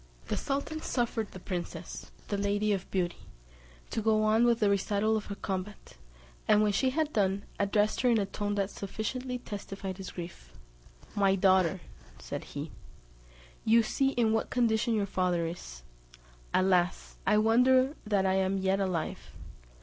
The sultan suffered the princess, the Lady of Beauty, to go on with the recital of her combat, and when she had done, addressed her in a tone that sufficiently testified his grief; "My daughter," said he, "you see in what condition your father is; alas! I wonder that I am yet alive!